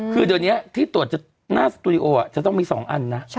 คือเดี๋ยวนี้ที่ตรวจหน้าสตูดิโอจะต้องมี๒อันนะ